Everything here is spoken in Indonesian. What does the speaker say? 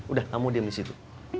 udah kamu diam di situ